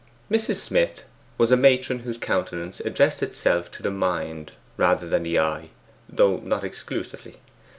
Mrs. Smith was a matron whose countenance addressed itself to the mind rather than to the eye, though not exclusively.